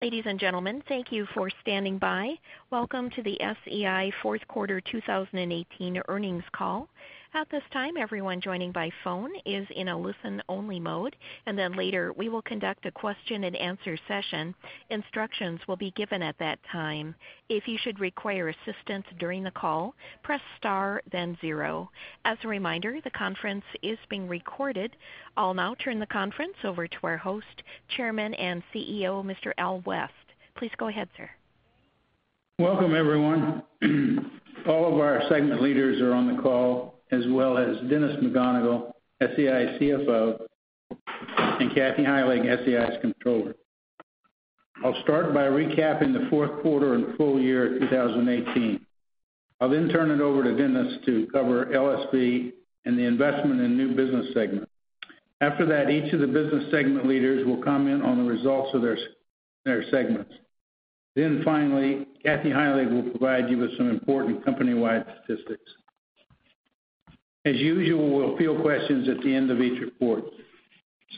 Ladies and gentlemen, thank you for standing by. Welcome to the SEI fourth quarter 2018 earnings call. At this time, everyone joining by phone is in a listen-only mode, and then later, we will conduct a question and answer session. Instructions will be given at that time. If you should require assistance during the call, press star then zero. As a reminder, the conference is being recorded. I'll now turn the conference over to our host, Chairman and CEO, Mr. Al West. Please go ahead, sir. Welcome, everyone. All of our segment leaders are on the call, as well as Dennis McGonigle, SEI CFO, and Kathy Heilig, SEI's Controller. I'll start by recapping the fourth quarter and full year 2018. I'll then turn it over to Dennis to cover LSV and the investment in new business segment. After that, each of the business segment leaders will comment on the results of their segments. Finally, Kathy Heilig will provide you with some important company-wide statistics. As usual, we'll field questions at the end of each report.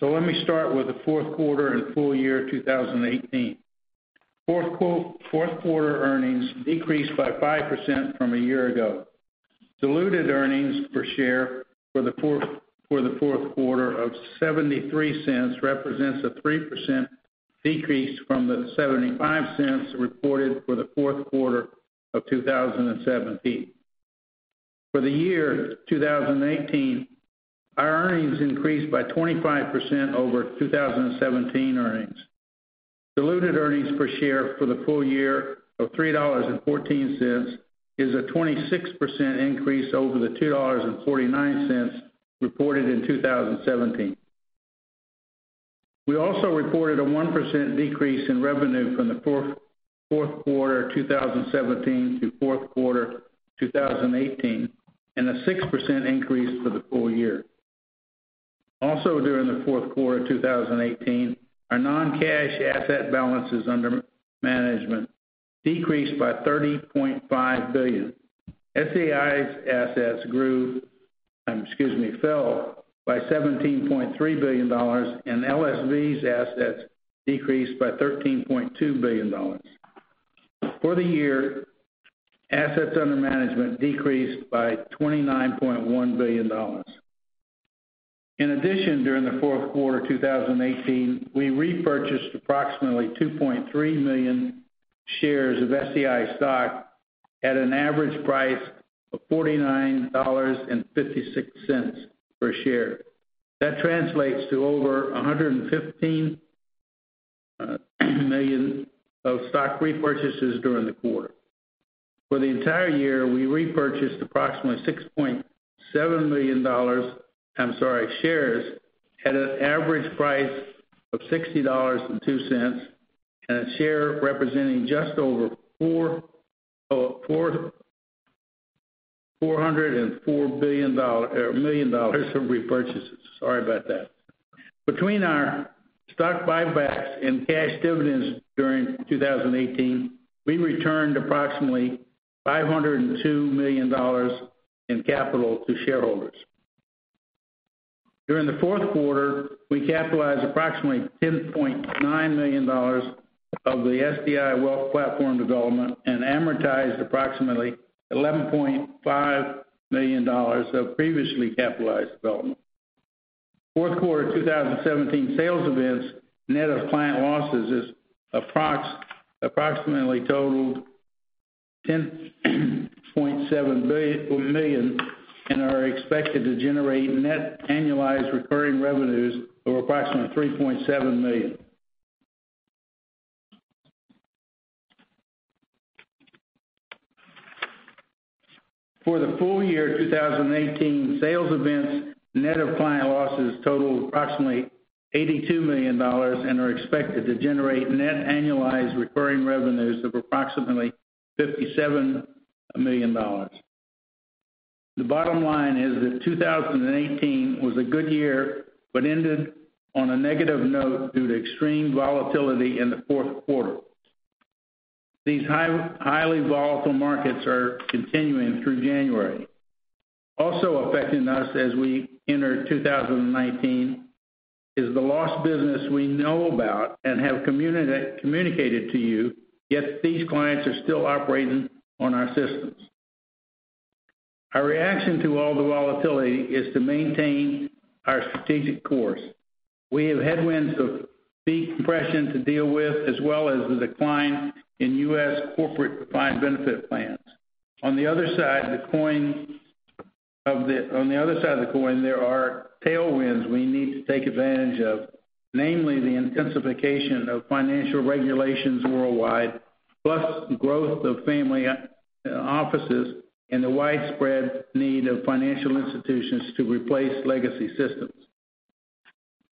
Let me start with the fourth quarter and full year 2018. Fourth quarter earnings decreased by 5% from a year ago. Diluted earnings per share for the fourth quarter of $0.73 represents a 3% decrease from the $0.75 reported for the fourth quarter of 2017. For the year 2018, our earnings increased by 25% over 2017 earnings. Diluted earnings per share for the full year of $3.14 is a 26% increase over the $2.49 reported in 2017. We also reported a 1% decrease in revenue from the fourth quarter 2017 to fourth quarter 2018, and a 6% increase for the full year. Also during the fourth quarter 2018, our non-cash asset balances under management decreased by $30.5 billion. SEI's assets grew, excuse me, fell by $17.3 billion, and LSV's assets decreased by $13.2 billion. For the year, assets under management decreased by $29.1 billion. In addition, during the fourth quarter 2018, we repurchased approximately 2.3 million shares of SEI stock at an average price of $49.56 per share. That translates to over $115 million of stock repurchases during the quarter. For the entire year, we repurchased approximately 6.7 million, I'm sorry, shares at an average price of $60.02 and a share representing just over $404 million of repurchases. Sorry about that. Between our stock buybacks and cash dividends during 2018, we returned approximately $502 million in capital to shareholders. During the fourth quarter, we capitalized approximately $10.9 million of the SEI Wealth Platform development and amortized approximately $11.5 million of previously capitalized development. Fourth quarter of 2018 sales events net of client losses is approximately totaled $10.7 million and are expected to generate net annualized recurring revenues of approximately $3.7 million. For the full year 2018, sales events net of client losses totaled approximately $82 million and are expected to generate net annualized recurring revenues of approximately $57 million. The bottom line is that 2018 was a good year, but ended on a negative note due to extreme volatility in the fourth quarter. These highly volatile markets are continuing through January. Also affecting us as we enter 2019 is the lost business we know about and have communicated to you, yet these clients are still operating on our systems. Our reaction to all the volatility is to maintain our strategic course. We have headwinds of fee compression to deal with as well as the decline in U.S. corporate defined benefit plans. On the other side of the coin, there are tailwinds we need to take advantage of, namely the intensification of financial regulations worldwide, plus growth of family offices and the widespread need of financial institutions to replace legacy systems.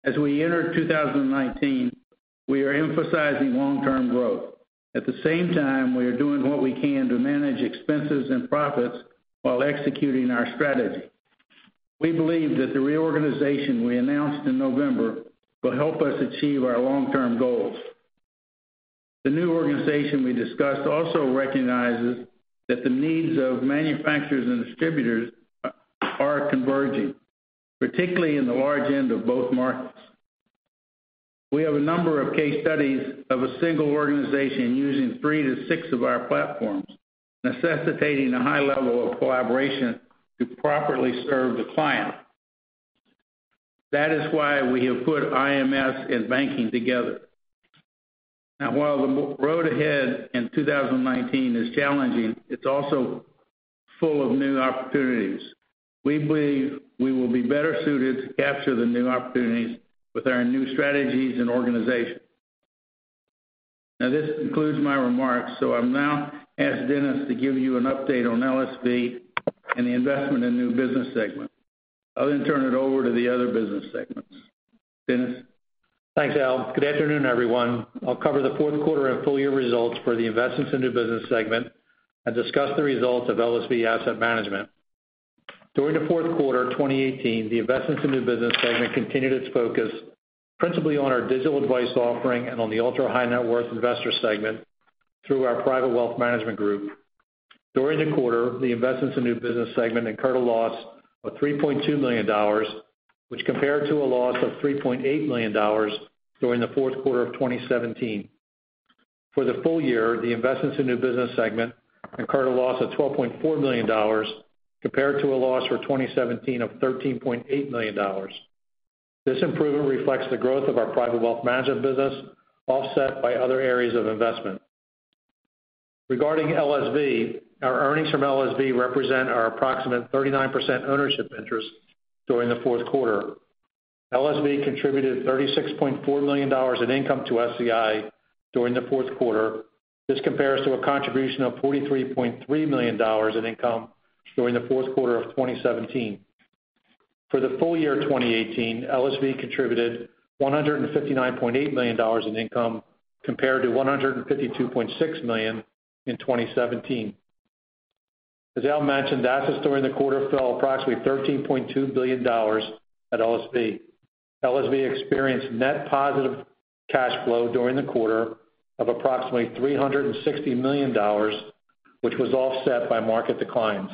As we enter 2019, we are emphasizing long-term growth. At the same time, we are doing what we can to manage expenses and profits while executing our strategy. We believe that the reorganization we announced in November will help us achieve our long-term goals. The new organization we discussed also recognizes that the needs of manufacturers and distributors are converging, particularly in the large end of both markets. We have a number of case studies of a single organization using three to six of our platforms, necessitating a high level of collaboration to properly serve the client. That is why we have put IMS and banking together. While the road ahead in 2019 is challenging, it's also full of new opportunities. We believe we will be better suited to capture the new opportunities with our new strategies and organization. This concludes my remarks, I'll now ask Dennis to give you an update on LSV and the investment in new business segment. I'll turn it over to the other business segments. Dennis? Thanks, Al. Good afternoon, everyone. I'll cover the fourth quarter and full year results for the investments in new business segment and discuss the results of LSV Asset Management. During the fourth quarter 2018, the investments in new business segment continued its focus principally on our digital advice offering and on the ultra-high net worth investor segment through our private wealth management group. During the quarter, the investments in new business segment incurred a loss of $3.2 million, which compared to a loss of $3.8 million during the fourth quarter of 2017. For the full year, the investments in new business segment incurred a loss of $12.4 million compared to a loss for 2017 of $13.8 million. This improvement reflects the growth of our private wealth management business, offset by other areas of investment. Regarding LSV, our earnings from LSV represent our approximate 39% ownership interest during the fourth quarter. LSV contributed $36.4 million in income to SEI during the fourth quarter. This compares to a contribution of $43.3 million in income during the fourth quarter of 2017. For the full year 2018, LSV contributed $159.8 million in income compared to $152.6 million in 2017. As Al mentioned, assets during the quarter fell approximately $13.2 billion at LSV. LSV experienced net positive cash flow during the quarter of approximately $360 million, which was offset by market declines.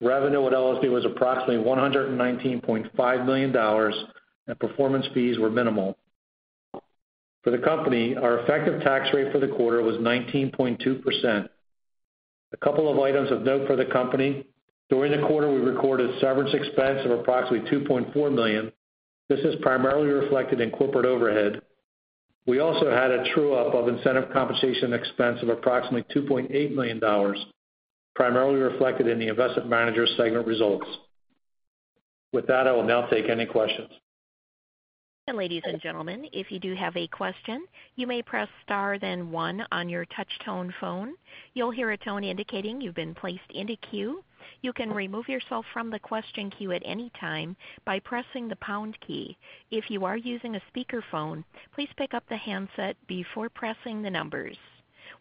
Revenue at LSV was approximately $119.5 million, and performance fees were minimal. For the company, our effective tax rate for the quarter was 19.2%. A couple of items of note for the company. During the quarter, we recorded severance expense of approximately $2.4 million. This is primarily reflected in corporate overhead. We also had a true-up of incentive compensation expense of approximately $2.8 million, primarily reflected in the investment manager segment results. With that, I will now take any questions. Ladies and gentlemen, if you do have a question, you may press star then one on your touch tone phone. You will hear a tone indicating you have been placed in a queue. You can remove yourself from the question queue at any time by pressing the pound key. If you are using a speakerphone, please pick up the handset before pressing the numbers.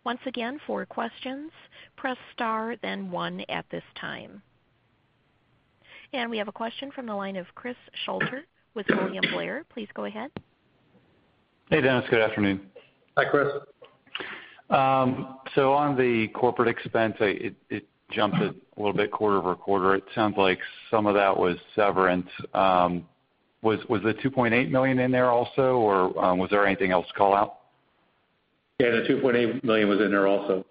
Once again, for questions, press star then one at this time. We have a question from the line of Chris Shutler with William Blair. Please go ahead. Hey, Dennis. Good afternoon. Hi, Chris. On the corporate expense, it jumped a little bit quarter-over-quarter. It sounds like some of that was severance. Was the $2.8 million in there also, or was there anything else to call out? Yeah, the $2.8 million was in there also.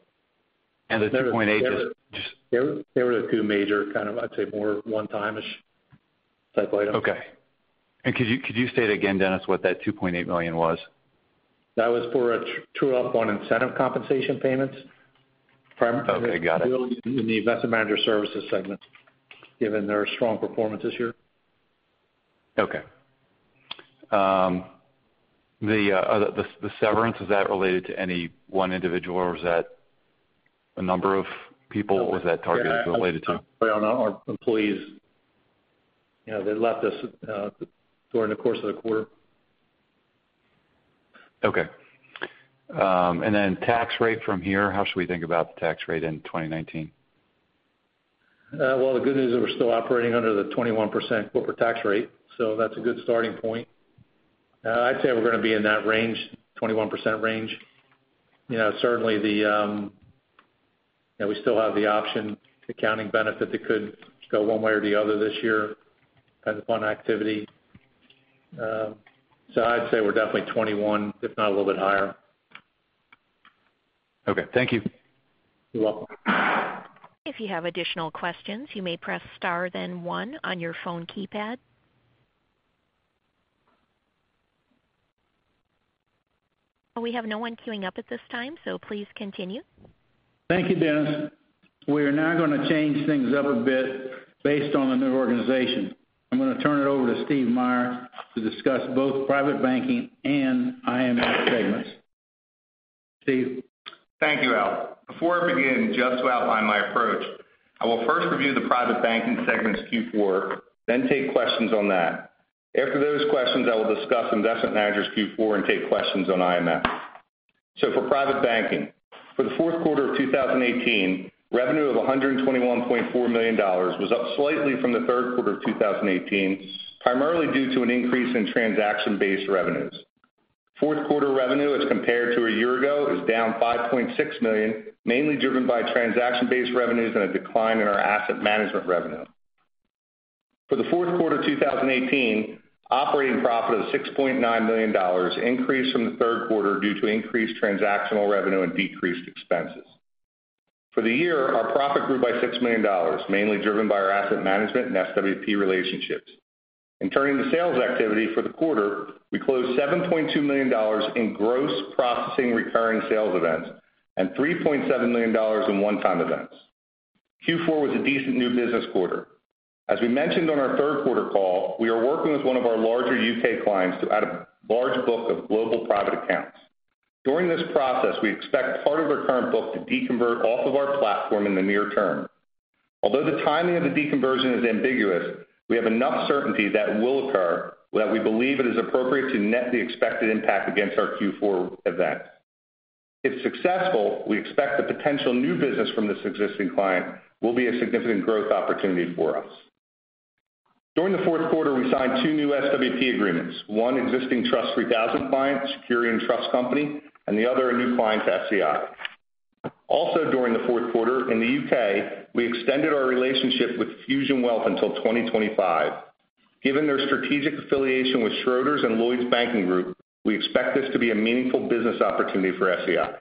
The $2.8 just. There were two major, I'd say more one-time-ish type items. Okay. Could you state again, Dennis, what that $2.8 million was? That was for a true-up on incentive compensation payments. Okay, got it. Primarily in the Investment Manager Services segment, given their strong performance this year. Okay. The severance, is that related to any one individual, or was that a number of people? Was that targeted related to? Our employees. They left us during the course of the quarter. Okay. Then tax rate from here, how should we think about the tax rate in 2019? Well, the good news is we're still operating under the 21% corporate tax rate, that's a good starting point. I'd say we're going to be in that range, 21% range. Certainly, we still have the option, the accounting benefit that could go one way or the other this year depending upon activity. I'd say we're definitely 21%, if not a little bit higher. Okay. Thank you. You're welcome. If you have additional questions, you may press star then one on your phone keypad. We have no one queuing up at this time, please continue. Thank you, Dennis. We are now going to change things up a bit based on the new organization. I'm going to turn it over to Steve Meyer to discuss both private banking and IMS segments. Steve? Thank you, Al. Before I begin, just to outline my approach, I will first review the private banking segment's Q4, then take questions on that. After those questions, I will discuss investment managers Q4 and take questions on IMS. For private banking, for the fourth quarter of 2018, revenue of $121.4 million was up slightly from the third quarter of 2018, primarily due to an increase in transaction-based revenues. Fourth quarter revenue as compared to a year ago is down $5.6 million, mainly driven by transaction-based revenues and a decline in our asset management revenue. For the fourth quarter 2018, operating profit of $6.9 million increased from the third quarter due to increased transactional revenue and decreased expenses. For the year, our profit grew by $6 million, mainly driven by our asset management and SWP relationships. In turning to sales activity for the quarter, we closed $7.2 million in gross processing recurring sales events and $3.7 million in one-time events. Q4 was a decent new business quarter. As we mentioned on our third quarter call, we are working with one of our larger U.K. clients to add a large book of global private accounts. During this process, we expect part of their current book to deconvert off of our platform in the near term. Although the timing of the deconversion is ambiguous, we have enough certainty that it will occur that we believe it is appropriate to net the expected impact against our Q4 events. If successful, we expect the potential new business from this existing client will be a significant growth opportunity for us. During the fourth quarter, we signed two new SWP agreements, one existing TRUST 3000 client, Security and Trust Company, and the other a new client to SEI. Also during the fourth quarter, in the U.K., we extended our relationship with Fusion Wealth until 2025. Given their strategic affiliation with Schroders and Lloyds Banking Group, we expect this to be a meaningful business opportunity for SEI.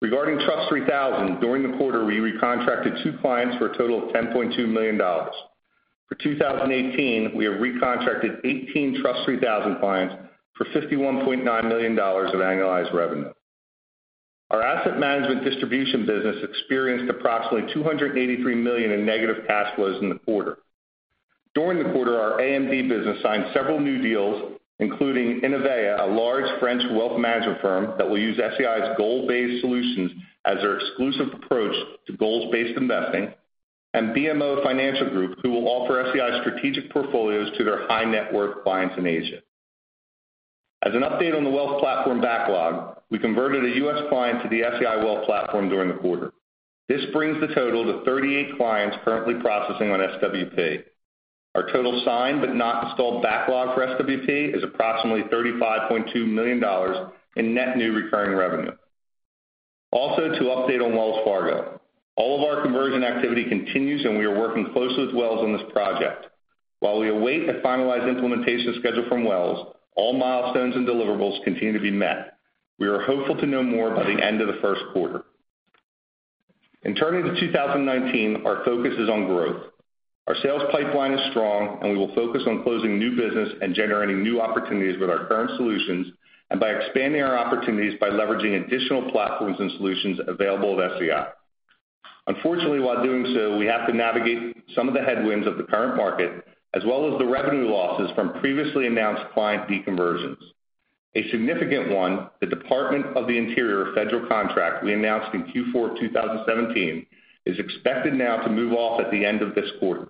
Regarding TRUST 3000, during the quarter, we recontracted two clients for a total of $10.2 million. For 2018, we have recontracted 18 TRUST 3000 clients for $51.9 million of annualized revenue. Our asset management distribution business experienced approximately $283 million in negative cash flows in the quarter. During the quarter, our AMD business signed several new deals, including Inovéa, a large French wealth management firm that will use SEI's goal-based solutions as their exclusive approach to goals-based investing, and BMO Financial Group, who will offer Global Strategic Portfolios to their high-net-worth clients in Asia. As an update on the Wealth Platform backlog, we converted a U.S. client to the SEI Wealth Platform during the quarter. This brings the total to 38 clients currently processing on SWP. Our total signed but not installed backlog for SWP is approximately $35.2 million in net new recurring revenue. Also, to update on Wells Fargo, all of our conversion activity continues, and we are working closely with Wells on this project. While we await a finalized implementation schedule from Wells, all milestones and deliverables continue to be met. We are hopeful to know more by the end of the first quarter. Turning to 2019, our focus is on growth. Our sales pipeline is strong. We will focus on closing new business and generating new opportunities with our current solutions and by expanding our opportunities by leveraging additional platforms and solutions available at SEI. Unfortunately, while doing so, we have to navigate some of the headwinds of the current market as well as the revenue losses from previously announced client deconversions. A significant one, the Department of the Interior federal contract we announced in Q4 2017, is expected now to move off at the end of this quarter.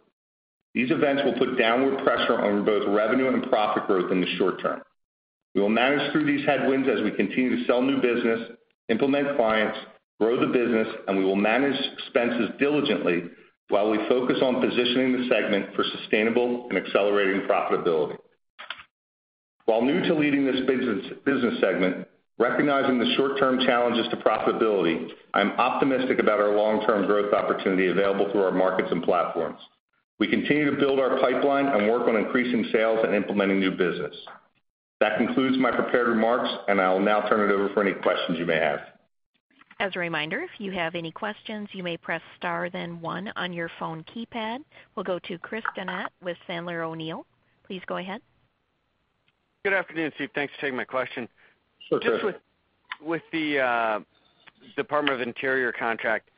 These events will put downward pressure on both revenue and profit growth in the short term. We will manage through these headwinds as we continue to sell new business, implement clients, grow the business. We will manage expenses diligently while we focus on positioning the segment for sustainable and accelerating profitability. While new to leading this business segment, recognizing the short-term challenges to profitability, I'm optimistic about our long-term growth opportunity available through our markets and platforms. We continue to build our pipeline and work on increasing sales and implementing new business. That concludes my prepared remarks. I will now turn it over for any questions you may have. As a reminder, if you have any questions, you may press star then one on your phone keypad. We'll go to Chris Donat with Sandler O'Neill. Please go ahead. Good afternoon, Steve. Thanks for taking my question. Sure thing. Just with the Department of the Interior contract,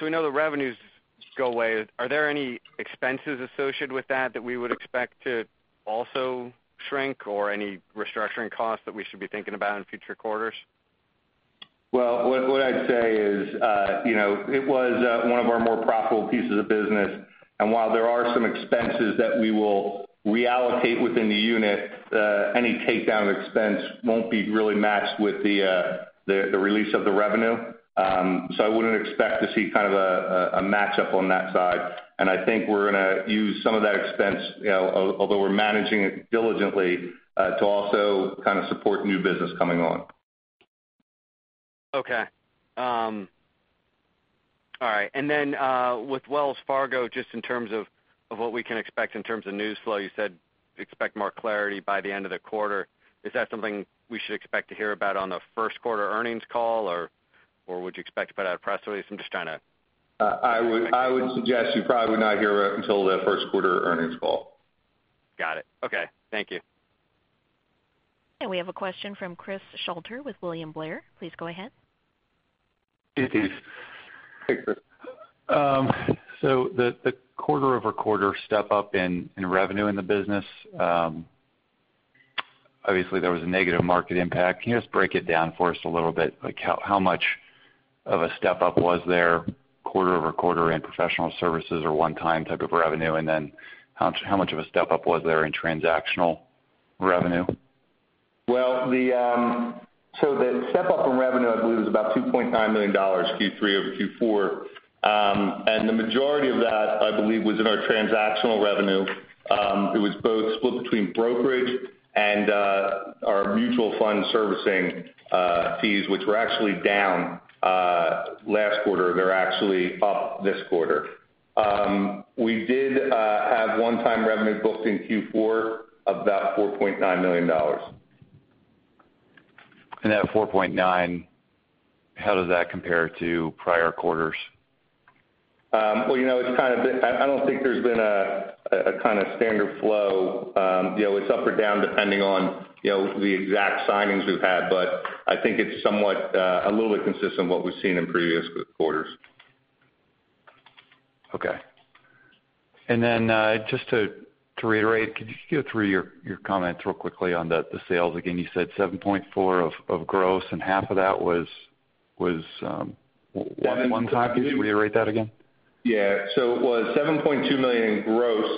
we know the revenues go away. Are there any expenses associated with that that we would expect to also shrink or any restructuring costs that we should be thinking about in future quarters? What I'd say is, it was one of our more profitable pieces of business. While there are some expenses that we will reallocate within the unit, any takedown expense won't be really matched with the release of the revenue. I wouldn't expect to see kind of a match-up on that side. I think we're going to use some of that expense, although we're managing it diligently, to also kind of support new business coming on. Okay. All right. With Wells Fargo, just in terms of what we can expect in terms of news flow, you said expect more clarity by the end of the quarter. Is that something we should expect to hear about on the first quarter earnings call, or would you expect about a press release? I would suggest you probably would not hear it until the first quarter earnings call. Got it. Okay. Thank you. We have a question from Chris Shutler with William Blair. Please go ahead. Hey, Steve. Hey, Chris. The quarter-over-quarter step-up in revenue in the business, obviously there was a negative market impact. Can you just break it down for us a little bit? Like how much of a step-up was there quarter-over-quarter in professional services or one-time type of revenue, and then how much of a step-up was there in transactional revenue? The step-up in revenue, I believe, was about $2.9 million, Q3 over Q4. The majority of that, I believe, was in our transactional revenue. It was both split between brokerage and our mutual fund servicing fees, which were actually down last quarter. They're actually up this quarter. We did have one-time revenue booked in Q4 of about $4.9 million. That 4.9, how does that compare to prior quarters? Well, I don't think there's been a standard flow. It's up or down depending on the exact signings we've had, but I think it's somewhat a little bit consistent with what we've seen in previous quarters. Okay. Just to reiterate, could you go through your comments real quickly on the sales again? You said 7.4 of gross and half of that was one time. Could you reiterate that again? Yeah. It was $7.2 million in gross.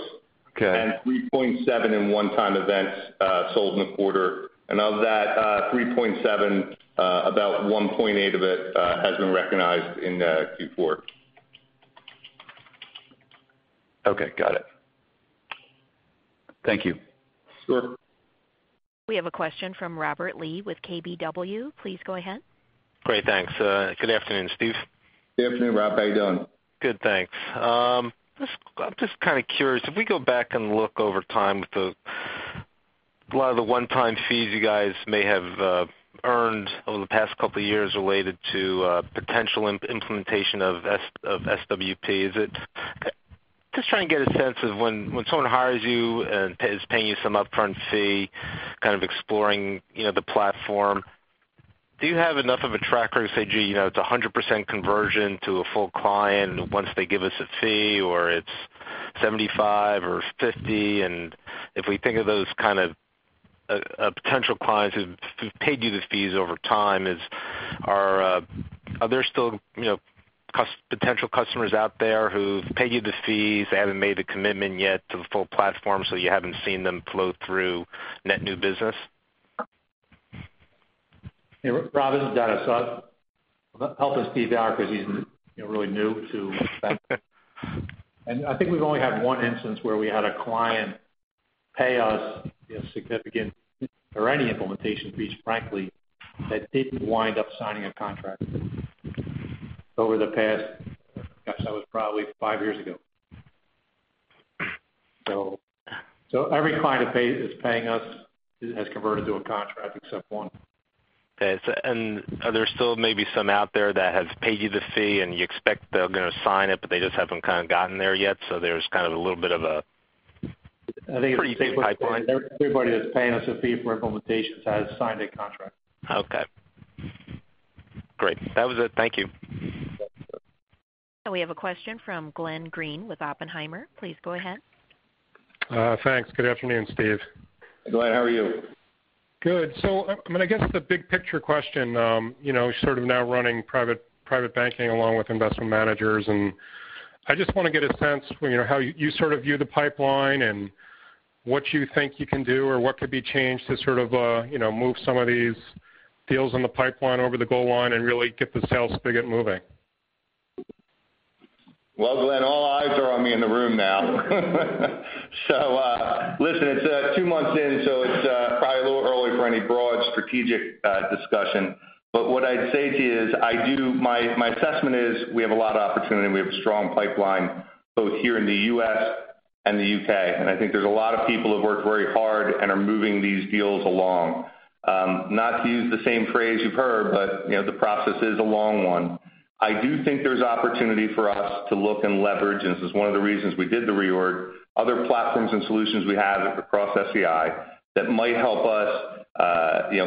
Okay. 3.7 in one-time events sold in the quarter. Of that $3.7, about $1.8 of it has been recognized in Q4. Okay, got it. Thank you. Sure. We have a question from Robert Lee with KBW. Please go ahead. Great, thanks. Good afternoon, Steve. Good afternoon, Rob. How you doing? Good, thanks. I'm just kind of curious, if we go back and look over time with a lot of the one-time fees you guys may have earned over the past couple of years related to potential implementation of SWP. Just trying to get a sense of when someone hires you and is paying you some upfront fee, kind of exploring the platform, do you have enough of a tracker to say, "Gee, it's 100% conversion to a full client once they give us a fee," or it's 75% or 50%? If we think of those kind of potential clients who've paid you the fees over time, are there still potential customers out there who've paid you the fees, they haven't made the commitment yet to the full platform, so you haven't seen them flow through net new business? Hey, Rob, this is Dennis. I'll help out Steve because he's really new to that. I think we've only had one instance where we had a client pay us a significant or any implementation fees, frankly, that didn't wind up signing a contract over the past, gosh, that was probably five years ago. Every client that's paying us has converted to a contract except one. Okay. Are there still maybe some out there that has paid you the fee, and you expect they're going to sign it, but they just haven't gotten there yet, there's kind of a little bit of a pretty good pipeline? Everybody that's paying us a fee for implementations has signed a contract. Okay. Great. That was it. Thank you. Yeah. We have a question from Glenn Greene with Oppenheimer. Please go ahead. Thanks. Good afternoon, Steve. Hi, Glenn. How are you? Good. I guess the big picture question, sort of now running private banking along with investment managers, and I just want to get a sense how you view the pipeline and what you think you can do or what could be changed to sort of move some of these deals in the pipeline over the goal line and really get the sales spigot moving. Glenn, all eyes are on me in the room now. Listen, it's two months in, so it's probably a little early for any broad strategic discussion. What I'd say to you is, my assessment is we have a lot of opportunity. We have a strong pipeline, both here in the U.S. and the U.K. I think there's a lot of people that work very hard and are moving these deals along. Not to use the same phrase you've heard, but the process is a long one. I do think there's opportunity for us to look and leverage, this is one of the reasons we did the reorg, other platforms and solutions we have across SEI that might help us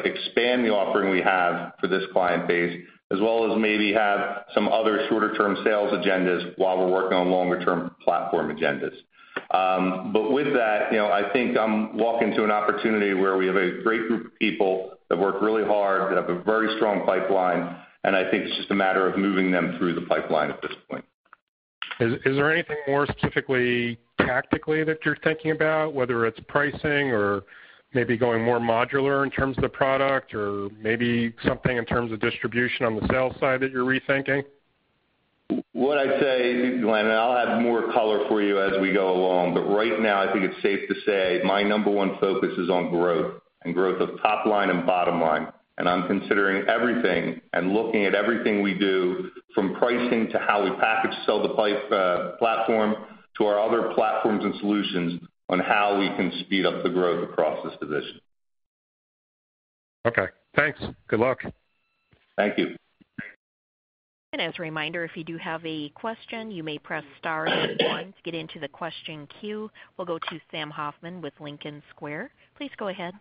expand the offering we have for this client base, as well as maybe have some other shorter-term sales agendas while we're working on longer-term platform agendas. With that, I think I'm walking to an opportunity where we have a great group of people that work really hard, that have a very strong pipeline, and I think it's just a matter of moving them through the pipeline at this point. Is there anything more specifically tactically that you're thinking about, whether it's pricing or maybe going more modular in terms of the product or maybe something in terms of distribution on the sales side that you're rethinking? What I'd say, Glenn, I'll have more color for you as we go along, but right now, I think it's safe to say my number one focus is on growth, and growth of top line and bottom line. I'm considering everything and looking at everything we do, from pricing to how we package sell the platform to our other platforms and solutions on how we can speed up the growth across this division. Okay, thanks. Good luck. Thank you. As a reminder, if you do have a question, you may press star then one to get into the question queue. We'll go to Sam Hoffman with Lincoln Square. Please go ahead.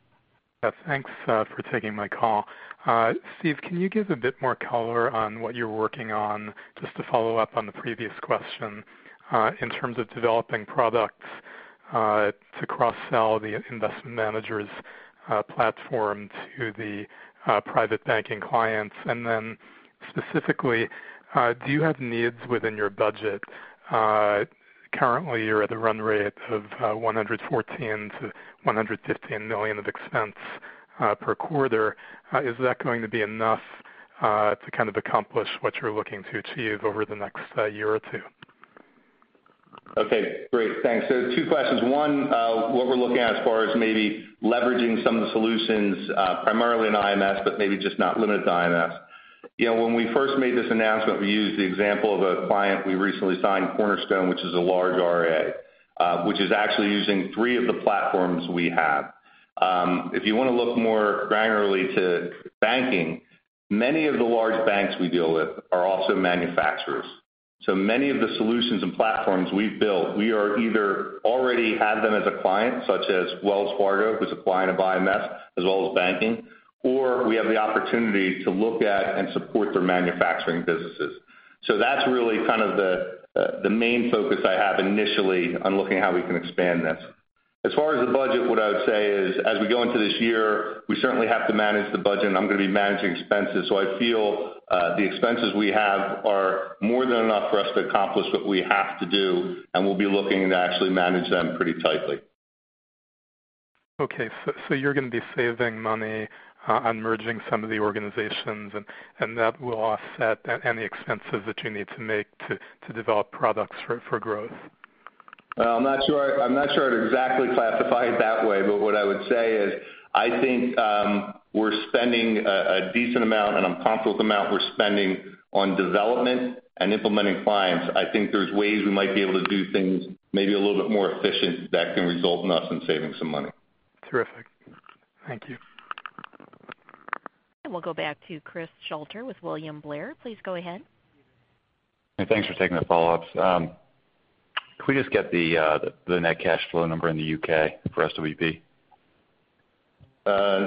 Yeah, thanks for taking my call. Steve, can you give a bit more color on what you're working on, just to follow up on the previous question, in terms of developing products to cross-sell the investment manager's platform to the private banking clients? Specifically, do you have needs within your budget? Currently, you're at a run rate of $114 million-$115 million of expense per quarter. Is that going to be enough to accomplish what you're looking to achieve over the next year or two? Okay, great. Thanks. Two questions. One, what we're looking at as far as maybe leveraging some of the solutions, primarily in IMS, but maybe just not limited to IMS. When we first made this announcement, we used the example of a client we recently signed, Cornerstone, which is a large RIA, which is actually using three of the platforms we have. If you want to look more granularly to banking, many of the large banks we deal with are also manufacturers. Many of the solutions and platforms we've built, we are either already have them as a client, such as Wells Fargo, who's a client of IMS as well as banking, or we have the opportunity to look at and support their manufacturing businesses. That's really the main focus I have initially on looking at how we can expand this. As far as the budget, what I would say is, as we go into this year, we certainly have to manage the budget, and I'm going to be managing expenses. I feel the expenses we have are more than enough for us to accomplish what we have to do, and we'll be looking to actually manage them pretty tightly. Okay, you're going to be saving money on merging some of the organizations, that will offset any expenses that you need to make to develop products for growth. I'm not sure I'd exactly classify it that way, what I would say is, I think we're spending a decent amount, I'm comfortable with the amount we're spending on development and implementing clients. I think there's ways we might be able to do things maybe a little bit more efficient that can result in us in saving some money. Terrific. Thank you. We'll go back to Chris Shutler with William Blair. Please go ahead. Hey, thanks for taking the follow-ups. Can we just get the net cash flow number in the U.K. for SWP?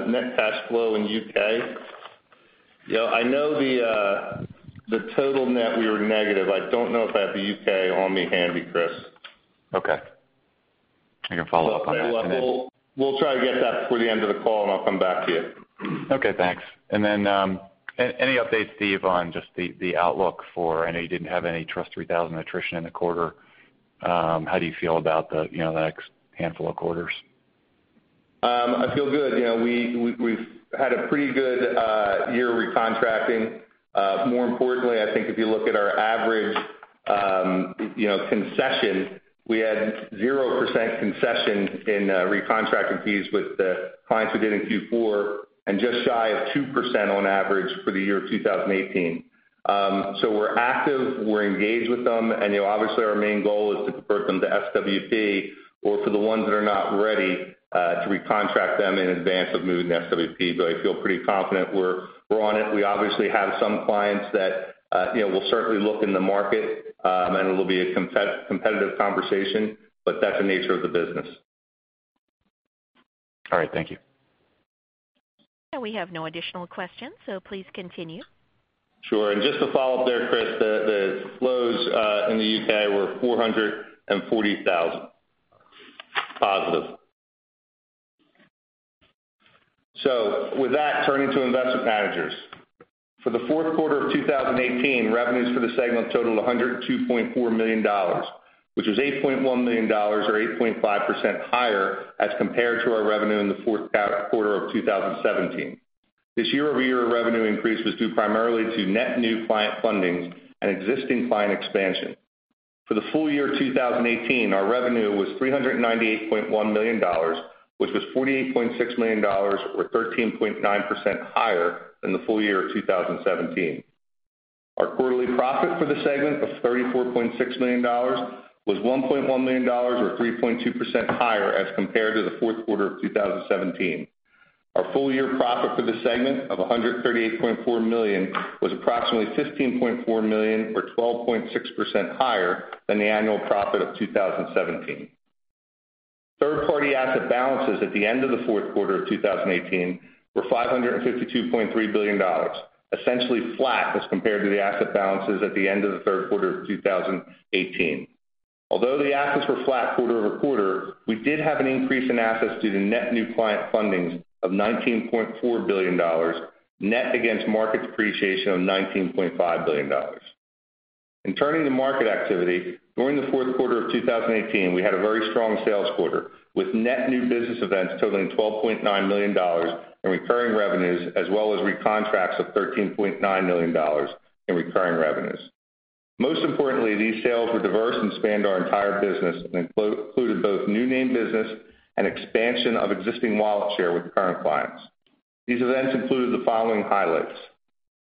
Net cash flow in U.K.? I know the total net we were negative. I don't know if I have the U.K. on me handy, Chris. Okay. I can follow up on that. We'll try to get that before the end of the call, and I'll come back to you. Okay, thanks. Any updates, Steve, on just the outlook for I know you didn't have any TRUST 3000 attrition in the quarter. How do you feel about the next handful of quarters? I feel good. We've had a pretty good year recontracting. More importantly, I think if you look at our average concession, we had 0% concession in recontracting fees with the clients we did in Q4, and just shy of 2% on average for the year 2018. We're active, we're engaged with them, and obviously our main goal is to convert them to SWP or for the ones that are not ready, to recontract them in advance of moving to SWP. I feel pretty confident we're on it. We obviously have some clients that will certainly look in the market, and it'll be a competitive conversation, but that's the nature of the business. All right. Thank you. We have no additional questions, so please continue. Sure. Just to follow up there, Chris, the flows in the U.K. were $440,000 positive. With that, turning to investment managers. For the fourth quarter of 2018, revenues for the segment totaled $102.4 million, which was $8.1 million or 8.5% higher as compared to our revenue in the fourth quarter of 2017. This year-over-year revenue increase was due primarily to net new client fundings and existing client expansion. For the full year 2018, our revenue was $398.1 million, which was $48.6 million or 13.9% higher than the full year of 2017. Our quarterly profit for the segment of $34.6 million was $1.1 million or 3.2% higher as compared to the fourth quarter of 2017. Our full-year profit for the segment of $138.4 million was approximately $15.4 million or 12.6% higher than the annual profit of 2017. Third-party asset balances at the end of the fourth quarter of 2018 were $552.3 billion, essentially flat as compared to the asset balances at the end of the third quarter of 2018. Although the assets were flat quarter-over-quarter, we did have an increase in assets due to net new client fundings of $19.4 billion, net against market depreciation of $19.5 billion. In turning to market activity, during the fourth quarter of 2018, we had a very strong sales quarter, with net new business events totaling $12.9 million in recurring revenues, as well as recontracts of $13.9 million in recurring revenues. Most importantly, these sales were diverse and spanned our entire business and included both new name business and expansion of existing wallet share with current clients. These events included the following highlights.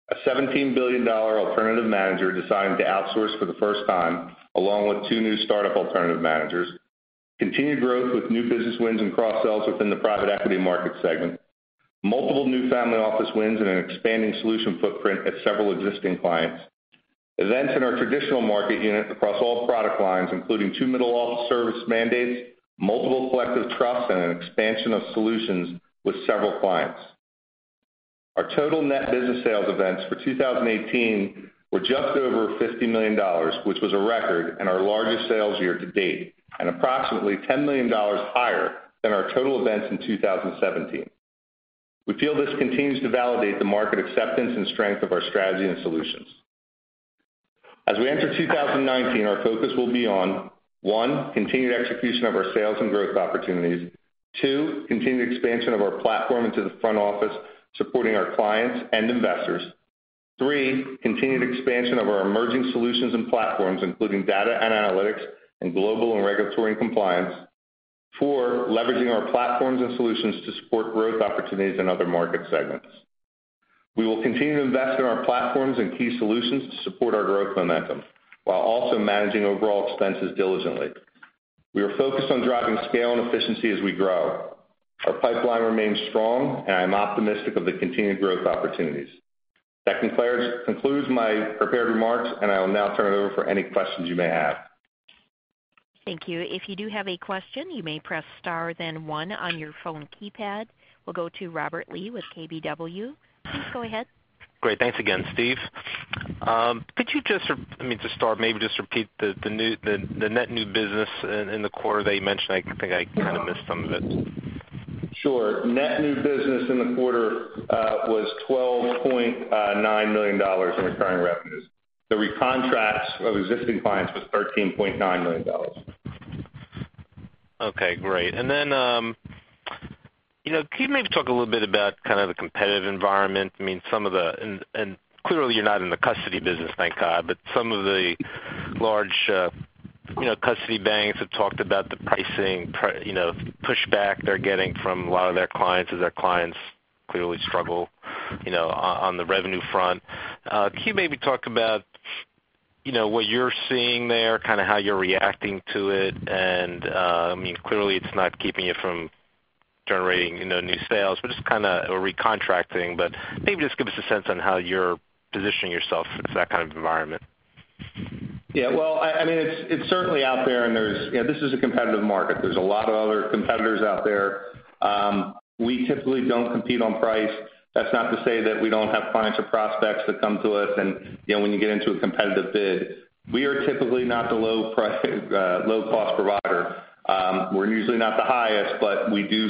A $17 billion alternative manager deciding to outsource for the first time, along with two new startup alternative managers. Continued growth with new business wins and cross-sells within the private equity market segment. Multiple new family office wins and an expanding solution footprint at several existing clients. Events in our traditional market unit across all product lines, including two middle office service mandates, multiple collective trusts, and an expansion of solutions with several clients. Our total net business sales events for 2018 were just over $50 million, which was a record and our largest sales year to date, and approximately $10 million higher than our total events in 2017. We feel this continues to validate the market acceptance and strength of our strategy and solutions. As we enter 2019, our focus will be on, one, continued execution of our sales and growth opportunities. Two, continued expansion of our platform into the front office, supporting our clients and investors. Three, continued expansion of our emerging solutions and platforms, including data and analytics and global and regulatory compliance. Four, leveraging our platforms and solutions to support growth opportunities in other market segments. We will continue to invest in our platforms and key solutions to support our growth momentum, while also managing overall expenses diligently. We are focused on driving scale and efficiency as we grow. Our pipeline remains strong, and I am optimistic of the continued growth opportunities. That concludes my prepared remarks, and I will now turn it over for any questions you may have. Thank you. If you do have a question, you may press star then one on your phone keypad. We'll go to Robert Lee with KBW. Please go ahead. Great. Thanks again, Steve. To start, maybe just repeat the net new business in the quarter that you mentioned. I think I kind of missed some of it. Sure. Net new business in the quarter was $12.9 million in recurring revenues. The recontract of existing clients was $13.9 million. Okay, great. Can you maybe talk a little bit about the competitive environment? Clearly you're not in the custody business, thank God, but some of the large custody banks have talked about the pricing pushback they're getting from a lot of their clients, as their clients clearly struggle on the revenue front. Can you maybe talk about what you're seeing there, how you're reacting to it? Clearly it's not keeping you from generating new sales or recontracting, but maybe just give us a sense on how you're positioning yourself for that kind of environment. Yeah. It's certainly out there. This is a competitive market. There's a lot of other competitors out there. We typically don't compete on price. That's not to say that we don't have clients or prospects that come to us, and when you get into a competitive bid, we are typically not the low-cost provider. We're usually not the highest, but we do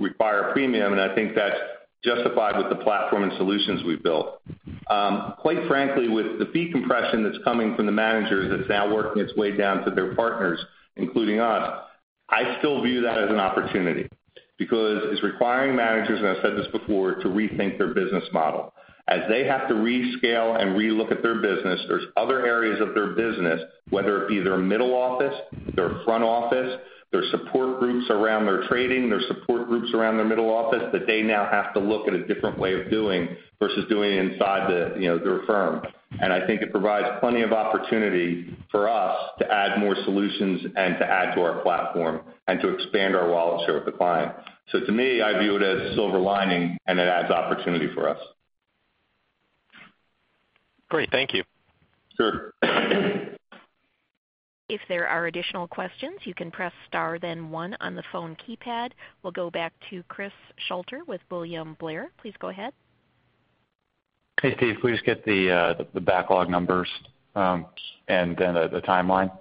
require a premium, and I think that's justified with the platform and solutions we've built. Quite frankly, with the fee compression that's coming from the managers that's now working its way down to their partners, including us, I still view that as an opportunity because it's requiring managers, and I've said this before, to rethink their business model. As they have to rescale and re-look at their business, there's other areas of their business, whether it be their middle office, their front office, their support groups around their trading, their support groups around their middle office, that they now have to look at a different way of doing versus doing it inside their firm. I think it provides plenty of opportunity for us to add more solutions and to add to our platform and to expand our wallet share with the client. To me, I view it as a silver lining, and it adds opportunity for us. Great. Thank you. Sure. If there are additional questions, you can press star then one on the phone keypad. We'll go back to Chris Shutler with William Blair. Please go ahead. Hey, Steve. Can we just get the backlog numbers and then the timeline?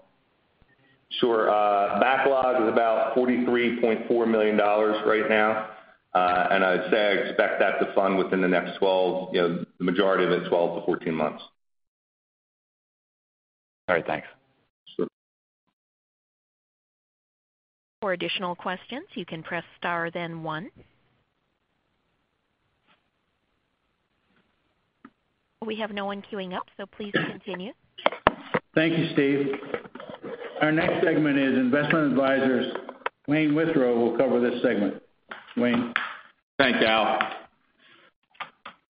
Sure. Backlog is about $43.4 million right now. I'd say I expect that to fund within the majority of that 12 to 14 months. All right. Thanks. Sure. For additional questions, you can press star then one. We have no one queuing up, please continue. Thank you, Steve. Our next segment is investment advisors. Wayne Withrow will cover this segment. Wayne? Thanks, Al.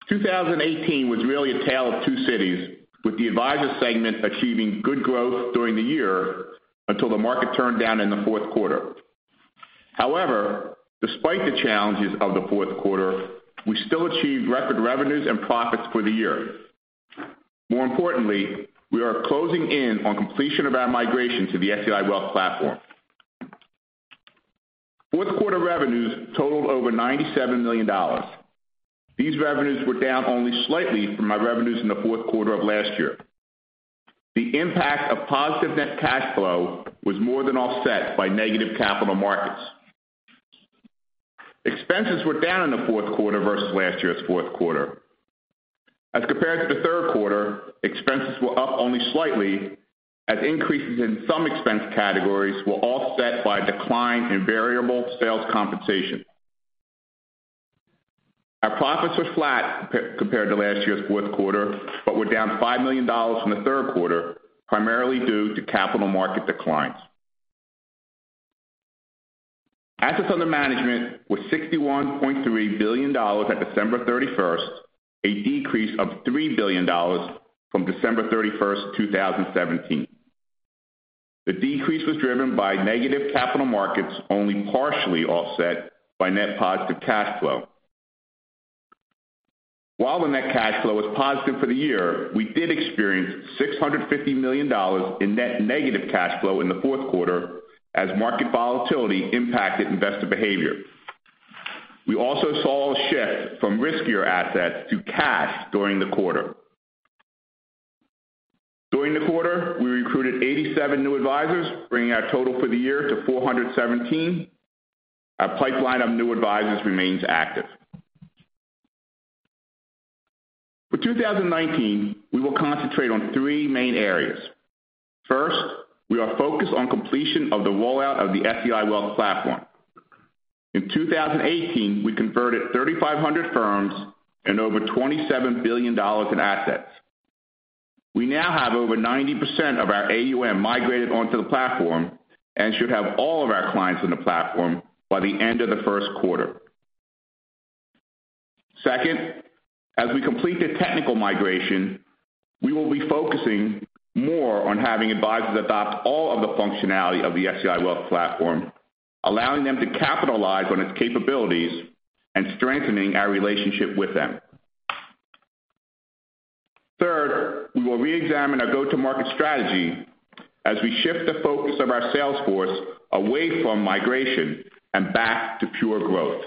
2018 was really a tale of two cities, with the advisor segment achieving good growth during the year until the market turned down in the fourth quarter. However, despite the challenges of the fourth quarter, we still achieved record revenues and profits for the year. More importantly, we are closing in on completion of our migration to the SEI Wealth Platform. Fourth quarter revenues totaled over $97 million. These revenues were down only slightly from our revenues in the fourth quarter of last year. The impact of positive net cash flow was more than offset by negative capital markets. Expenses were down in the fourth quarter versus last year's fourth quarter. As compared to the third quarter, expenses were up only slightly as increases in some expense categories were offset by a decline in variable sales compensation. Our profits were flat compared to last year's fourth quarter, but were down $5 million from the third quarter, primarily due to capital market declines. Assets under management were $61.3 billion at December 31st, a decrease of $3 billion from December 31st, 2017. The decrease was driven by negative capital markets, only partially offset by net positive cash flow. While the net cash flow was positive for the year, we did experience $650 million in net negative cash flow in the fourth quarter as market volatility impacted investor behavior. We also saw a shift from riskier assets to cash during the quarter. During the quarter, we recruited 87 new advisors, bringing our total for the year to 417. Our pipeline of new advisors remains active. For 2019, we will concentrate on three main areas. First, we are focused on completion of the rollout of the SEI Wealth Platform. In 2018, we converted 3,500 firms and over $27 billion in assets. We now have over 90% of our AUM migrated onto the platform and should have all of our clients in the platform by the end of the first quarter. Second, as we complete the technical migration, we will be focusing more on having advisors adopt all of the functionality of the SEI Wealth Platform, allowing them to capitalize on its capabilities and strengthening our relationship with them. Third, we will reexamine our go-to-market strategy as we shift the focus of our sales force away from migration and back to pure growth.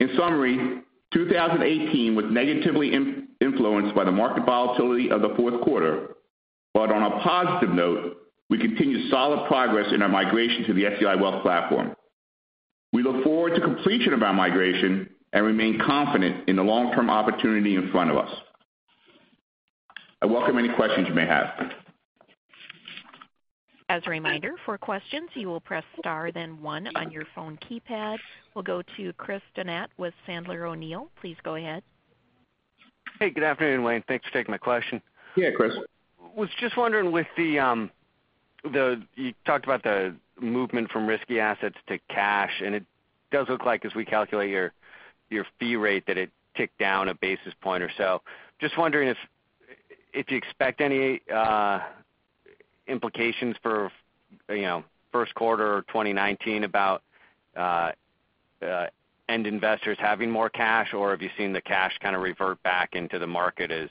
In summary, 2018 was negatively influenced by the market volatility of the fourth quarter. On a positive note, we continued solid progress in our migration to the SEI Wealth Platform. We look forward to completion of our migration and remain confident in the long-term opportunity in front of us. I welcome any questions you may have. As a reminder, for questions, you will press star then one on your phone keypad. We will go to Chris Donat with Sandler O'Neill. Please go ahead. Hey, good afternoon, Wayne. Thanks for taking my question. Yeah, Chris. Was just wondering, you talked about the movement from risky assets to cash, it does look like as we calculate your fee rate, that it ticked down a basis point or so. Just wondering if you expect any implications for first quarter 2019 about end investors having more cash, or have you seen the cash kind of revert back into the market as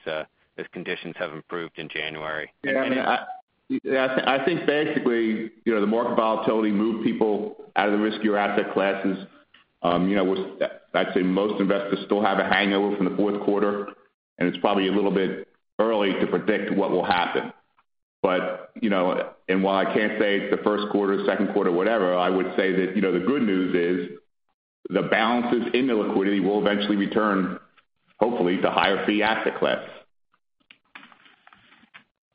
conditions have improved in January? Yeah. I think basically, the market volatility moved people out of the riskier asset classes. I'd say most investors still have a hangover from the fourth quarter, it's probably a little bit early to predict what will happen. While I can't say it's the first quarter, second quarter, whatever, I would say that the good news is the balances in the liquidity will eventually return, hopefully, to higher fee asset class.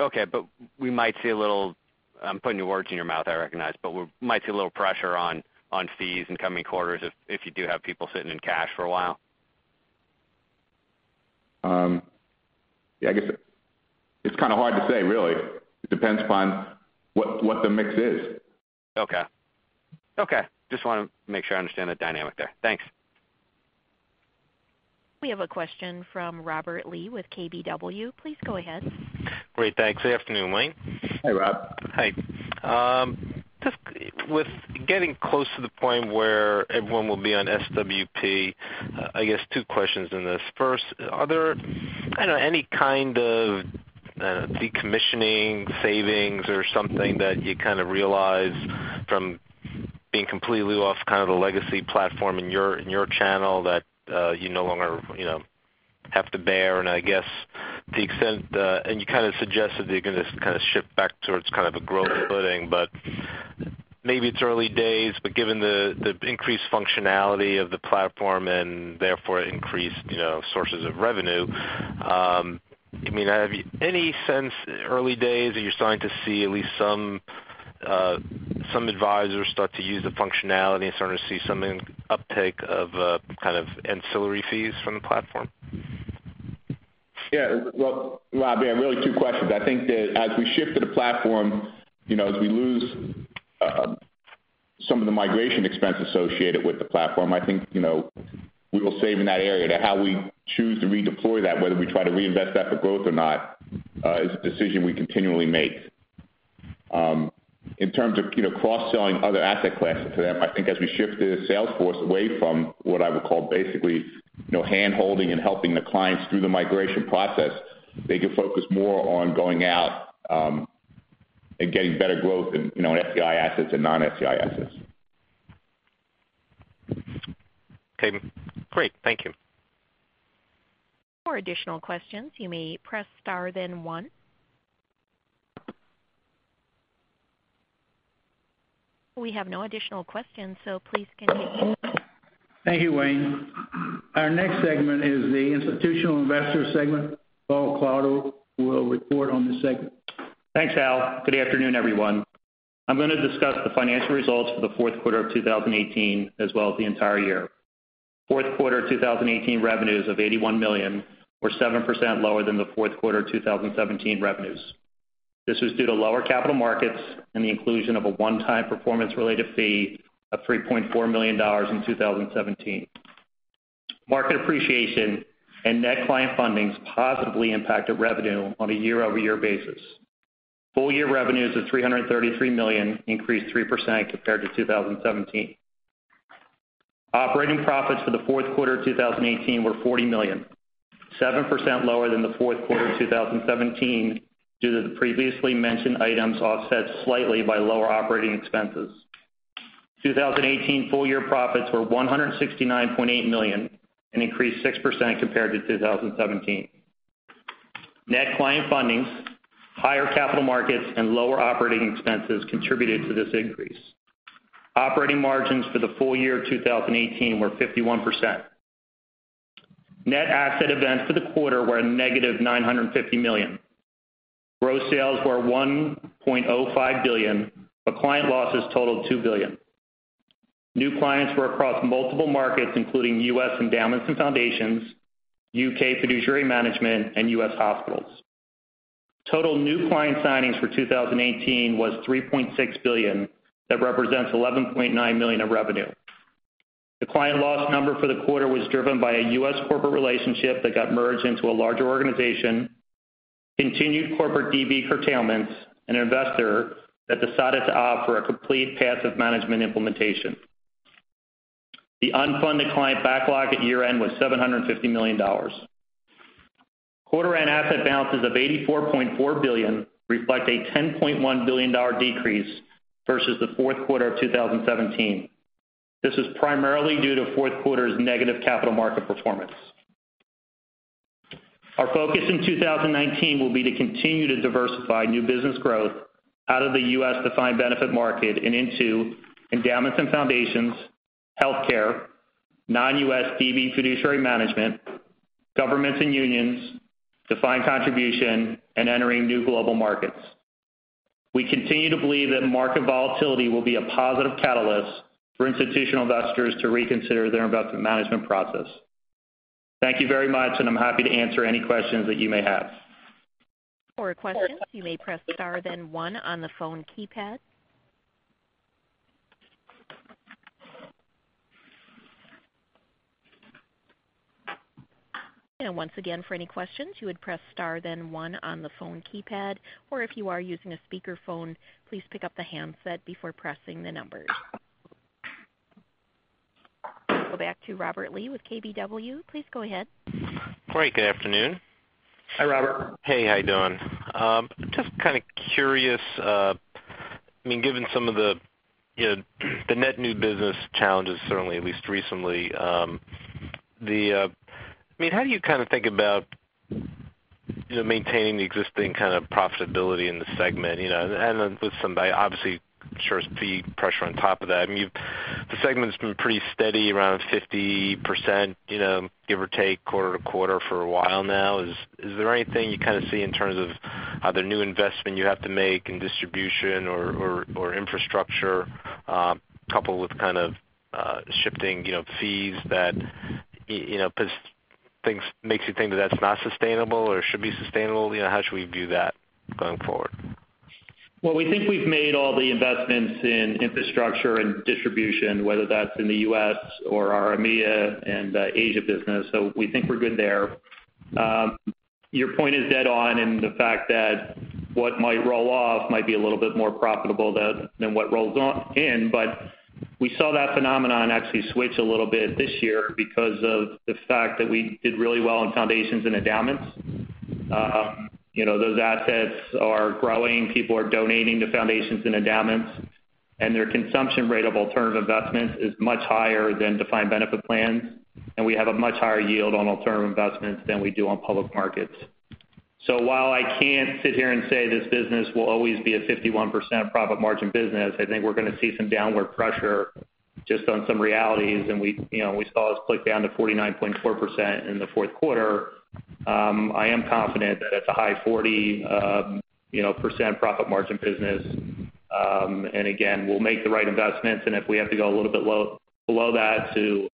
Okay. We might see a little, I'm putting words in your mouth, I recognize, we might see a little pressure on fees in coming quarters if you do have people sitting in cash for a while. Yeah, I guess it's kind of hard to say, really. It depends upon what the mix is. Okay. Just wanted to make sure I understand the dynamic there. Thanks. We have a question from Robert Lee with KBW. Please go ahead. Great, thanks. Good afternoon, Wayne. Hi, Rob. Hi. Just with getting close to the point where everyone will be on SWP, I guess two questions in this. First, are there any kind of decommissioning savings or something that you kind of realize from being completely off kind of the legacy platform in your channel that you no longer have to bear? I guess to the extent that, and you kind of suggested that you're going to kind of shift back towards kind of a growth footing. Maybe it's early days, but given the increased functionality of the platform and therefore increased sources of revenue, have you any sense early days that you're starting to see at least some advisors start to use the functionality and starting to see some uptake of kind of ancillary fees from the platform? Yeah. Well, Rob, yeah, really two questions. I think that as we shift to the platform, as we lose some of the migration expense associated with the platform, I think we will save in that area. Now how we choose to redeploy that, whether we try to reinvest that for growth or not, is a decision we continually make. In terms of cross-selling other asset classes to them, I think as we shift the sales force away from what I would call basically handholding and helping the clients through the migration process, they can focus more on going out and getting better growth in SEI assets and non-SEI assets. Okay, great. Thank you. For additional questions, you may press star then one. We have no additional questions, please continue. Thank you, Wayne. Our next segment is the institutional investor segment. Paul Klauder will report on this segment. Thanks, Al. Good afternoon, everyone. I am going to discuss the financial results for the fourth quarter of 2018 as well as the entire year. Fourth quarter 2018 revenues of $81 million were 7% lower than the fourth quarter 2017 revenues. This was due to lower capital markets and the inclusion of a one-time performance-related fee of $3.4 million in 2017. Market appreciation and net client fundings positively impacted revenue on a year-over-year basis. Full-year revenues of $333 million increased 3% compared to 2017. Operating profits for the fourth quarter 2018 were $40 million, 7% lower than the fourth quarter 2017 due to the previously mentioned items, offset slightly by lower operating expenses. 2018 full-year profits were $169.8 million, an increase of 6% compared to 2017. Net client fundings, higher capital markets, and lower operating expenses contributed to this increase. Operating margins for the full-year 2018 were 51%. Net asset events for the quarter were a negative $950 million. Gross sales were $1.05 billion. Client losses totaled $2 billion. New clients were across multiple markets, including U.S. endowments and foundations, U.K. fiduciary management, and U.S. hospitals. Total new client signings for 2018 was $3.6 billion. That represents $11.9 million of revenue. The client loss number for the quarter was driven by a U.S. corporate relationship that got merged into a larger organization, continued corporate DB curtailments, an investor that decided to opt for a complete passive management implementation. The unfunded client backlog at year-end was $750 million. Quarter-end asset balances of $84.4 billion reflect a $10.1 billion decrease versus the fourth quarter of 2017. This is primarily due to fourth quarter's negative capital market performance. Our focus in 2019 will be to continue to diversify new business growth out of the U.S. defined benefit market and into endowments and foundations, healthcare, non-U.S. DB fiduciary management, governments and unions, defined contribution, and entering new global markets. We continue to believe that market volatility will be a positive catalyst for institutional investors to reconsider their investment management process. Thank you very much, and I am happy to answer any questions that you may have. For questions, you may press star then one on the phone keypad. Once again, for any questions, you would press star then one on the phone keypad. If you are using a speakerphone, please pick up the handset before pressing the numbers. We'll go back to Robert Lee with KBW. Please go ahead. Great. Good afternoon. Hi, Robert. Hey, how you doing? Just kind of curious, given some of the net new business challenges, certainly, at least recently. How do you think about maintaining the existing kind of profitability in the segment? With some, obviously, sure speed pressure on top of that. The segment's been pretty steady around 50%, give or take, quarter-to-quarter for a while now. Is there anything you see in terms of other new investment you have to make in distribution or infrastructure, coupled with shifting fees that makes you think that that's not sustainable or should be sustainable? How should we view that going forward? Well, we think we've made all the investments in infrastructure and distribution, whether that's in the U.S. or our EMEA and Asia business. We think we're good there. Your point is dead on in the fact that what might roll off might be a little bit more profitable than what rolls in. We saw that phenomenon actually switch a little bit this year because of the fact that we did really well in foundations and endowments. Those assets are growing. People are donating to foundations and endowments, and their consumption rate of alternative investments is much higher than defined benefit plans. We have a much higher yield on alternative investments than we do on public markets. While I can't sit here and say this business will always be a 51% profit margin business, I think we're going to see some downward pressure just on some realities. We saw us click down to 49.4% in the fourth quarter. I am confident that it's a high 40% profit margin business. Again, we'll make the right investments, and if we have to go a little bit below that to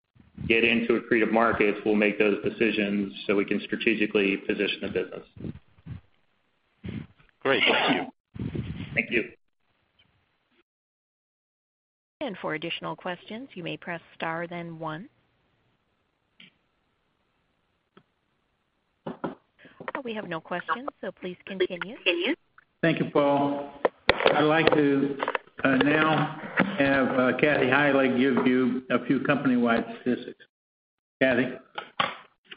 get into accretive markets, we'll make those decisions so we can strategically position the business. Great. Thank you. Thank you. For additional questions, you may press star then one. We have no questions, so please continue. Thank you, Paul. I'd like to now have Kathy Heilig give you a few company-wide statistics. Kathy?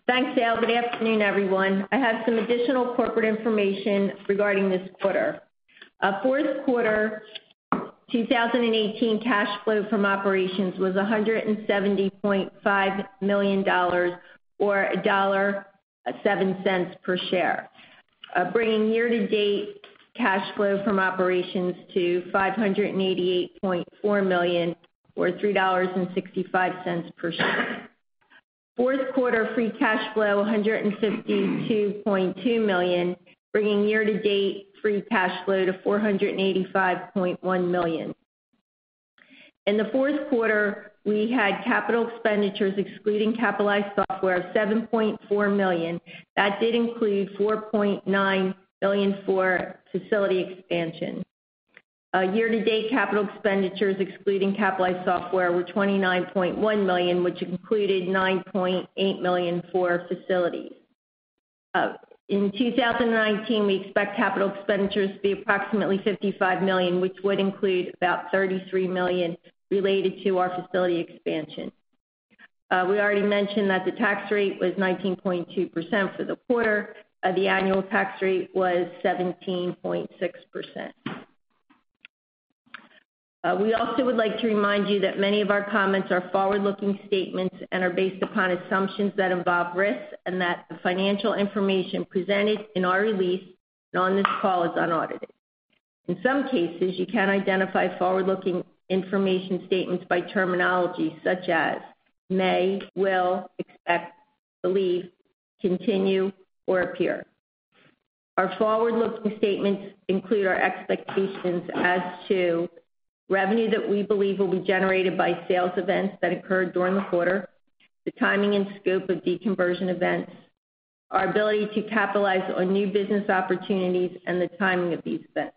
Thanks, Al. Good afternoon, everyone. I have some additional corporate information regarding this quarter. Fourth quarter 2018 cash flow from operations was $170.5 million, or $1.7 per share, bringing year-to-date cash flow from operations to $588.4 million, or $3.65 per share. Fourth quarter free cash flow, $152.2 million, bringing year-to-date free cash flow to $485.1 million. In the fourth quarter, we had capital expenditures excluding capitalized software of $7.4 million. That did include $4.9 million for facility expansion. Year-to-date capital expenditures excluding capitalized software were $29.1 million, which included $9.8 million for facilities. In 2019, we expect capital expenditures to be approximately $55 million, which would include about $33 million related to our facility expansion. We already mentioned that the tax rate was 19.2% for the quarter. The annual tax rate was 17.6%. We also would like to remind you that many of our comments are forward-looking statements and are based upon assumptions that involve risks, and that the financial information presented in our release and on this call is unaudited. In some cases, you can identify forward-looking information statements by terminology such as may, will, expect, believe, continue, or appear. Our forward-looking statements include our expectations as to revenue that we believe will be generated by sales events that occurred during the quarter, the timing and scope of deconversion events, our ability to capitalize on new business opportunities, and the timing of these events.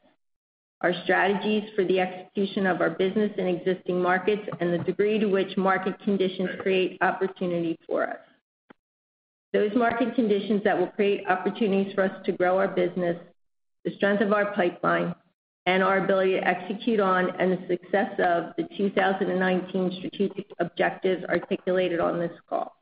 Our strategies for the execution of our business in existing markets and the degree to which market conditions create opportunity for us. Those market conditions that will create opportunities for us to grow our business, the strength of our pipeline, and our ability to execute on and the success of the 2019 strategic objectives articulated on this call.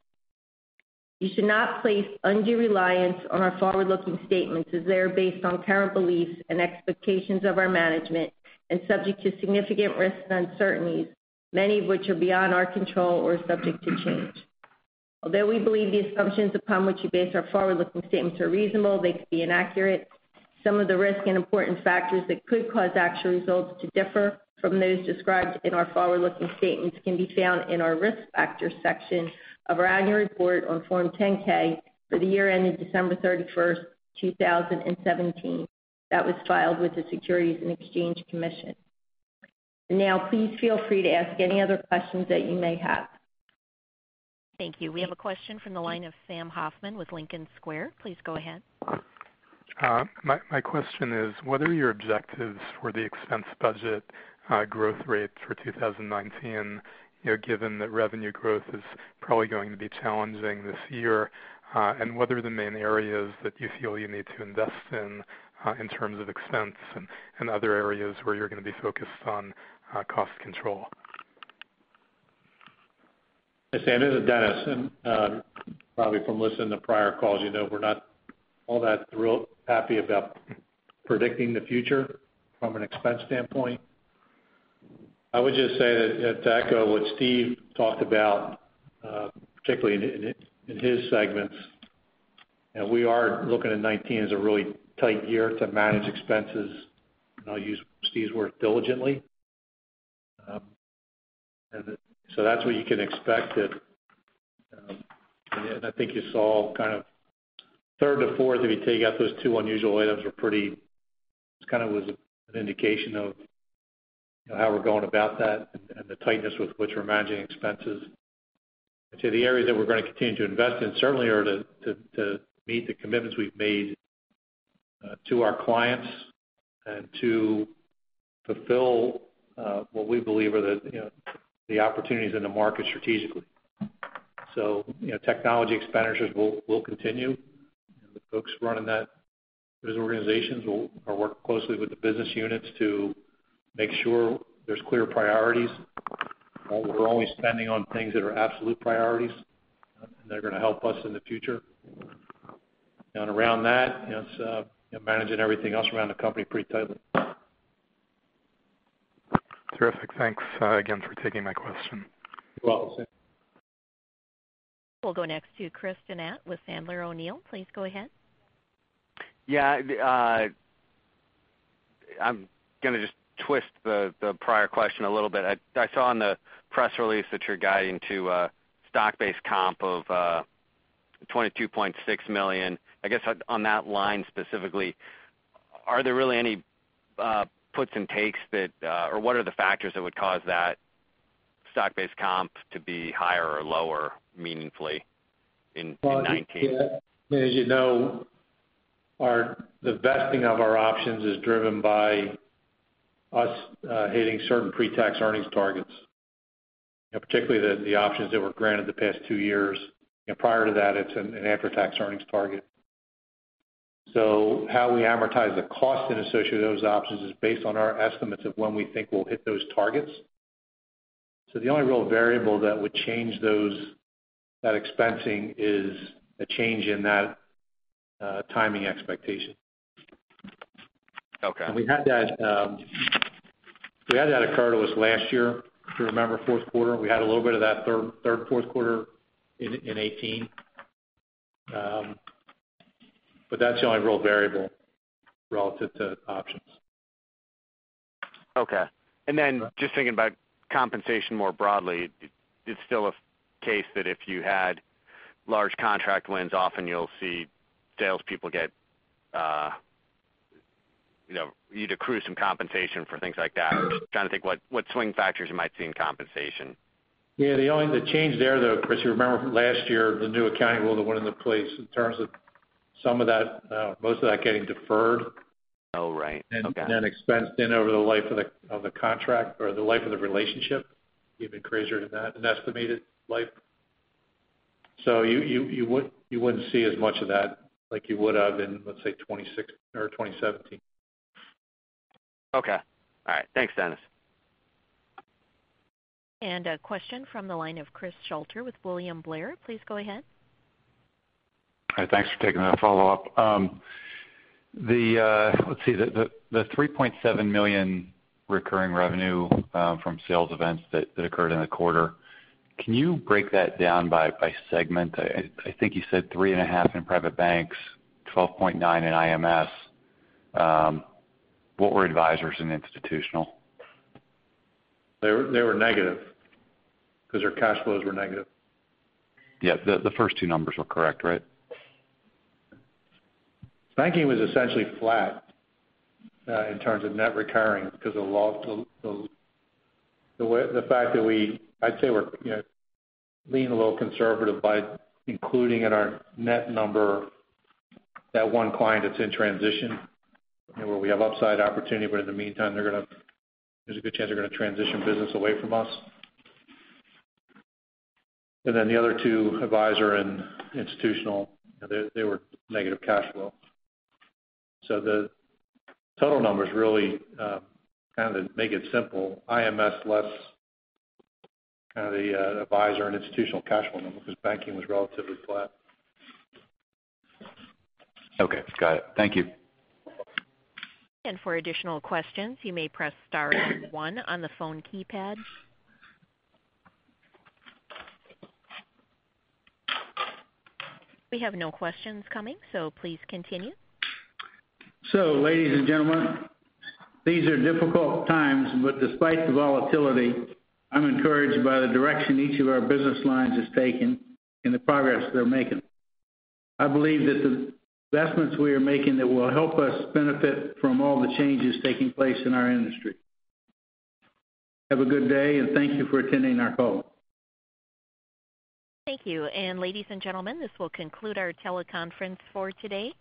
You should not place undue reliance on our forward-looking statements as they are based on current beliefs and expectations of our management and subject to significant risks and uncertainties, many of which are beyond our control or subject to change. Although we believe the assumptions upon which we base our forward-looking statements are reasonable, they could be inaccurate. Some of the risks and important factors that could cause actual results to differ from those described in our forward-looking statements can be found in our Risk Factors section of our annual report on Form 10-K for the year ended December 31st, 2017, that was filed with the Securities and Exchange Commission. Now please feel free to ask any other questions that you may have. Thank you. We have a question from the line of Sam Hoffman with Lincoln Square. Please go ahead. My question is, what are your objectives for the expense budget growth rate for 2019, given that revenue growth is probably going to be challenging this year? What are the main areas that you feel you need to invest in terms of expense and other areas where you're going to be focused on cost control? Hey, Sam. This is Dennis. Probably from listening to prior calls, you know we're not all that thrilled, happy about predicting the future from an expense standpoint. I would just say that to echo what Steve talked about, particularly in his segments, we are looking at 2019 as a really tight year to manage expenses, and I'll use Steve's word, diligently. That's what you can expect. I think you saw kind of third to fourth, if you take out those two unusual items, it was an indication of how we're going about that and the tightness with which we're managing expenses. I'd say the areas that we're going to continue to invest in certainly are to meet the commitments we've made to our clients and to fulfill what we believe are the opportunities in the market strategically. Technology expenditures will continue, and the folks running those organizations are working closely with the business units to make sure there's clear priorities. That we're always spending on things that are absolute priorities and that are going to help us in the future. Around that, it's managing everything else around the company pretty tightly. Terrific. Thanks again for taking my question. You're welcome, Sam. We'll go next to Chris Donat with Sandler O'Neill. Please go ahead. Yeah. I'm going to just twist the prior question a little bit. I saw in the press release that you're guiding to a stock-based comp of $22.6 million. I guess on that line specifically, are there really any puts and takes, or what are the factors that would cause that stock-based comp to be higher or lower meaningfully in 2019? Well, as you know, the vesting of our options is driven by us hitting certain pre-tax earnings targets. Particularly the options that were granted the past two years. Prior to that, it's an after-tax earnings target. How we amortize the cost associated with those options is based on our estimates of when we think we'll hit those targets. The only real variable that would change that expensing is a change in that timing expectation. Okay. We had that occur to us last year, if you remember, fourth quarter. We had a little bit of that third, fourth quarter in 2018. That's the only real variable relative to options. Okay. Just thinking about compensation more broadly, it's still a case that if you had large contract wins, often you'll see salespeople get you to accrue some compensation for things like that. I'm just trying to think what swing factors you might see in compensation. Yeah, the change there, though, Chris, you remember from last year, the new accounting rule that went into place in terms of most of that getting deferred Oh, right. Okay. Expensed in over the life of the contract or the life of the relationship, even crazier than that, an estimated life. You wouldn't see as much of that like you would have in, let's say, 2017. Okay. All right. Thanks, Dennis. A question from the line of Chris Shutler with William Blair. Please go ahead. Hi. Thanks for taking that follow-up. Let's see, the $3.7 million recurring revenue from sales events that occurred in the quarter, can you break that down by segment? I think you said three and a half in private banks, $12.9 in IMS. What were advisors in institutional? They were negative because their cash flows were negative. Yeah. The first two numbers were correct, right? Banking was essentially flat in terms of net recurring because of the fact that I'd say we're leaning a little conservative by including in our net number that one client that's in transition, where we have upside opportunity, but in the meantime, there's a good chance they're going to transition business away from us. Then the other two, advisor and institutional, they were negative cash flow. The total numbers really, to make it simple, IMS less the advisor and institutional cash flow number because banking was relatively flat. Okay. Got it. Thank you. For additional questions, you may press star one on the phone keypad. We have no questions coming, please continue. Ladies and gentlemen, these are difficult times, despite the volatility, I'm encouraged by the direction each of our business lines has taken and the progress they're making. I believe that the investments we are making that will help us benefit from all the changes taking place in our industry. Have a good day, thank you for attending our call. Thank you. Ladies and gentlemen, this will conclude our teleconference for today.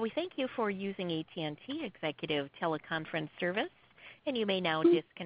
We thank you for using AT&T Executive Teleconference Service, you may now disconnect.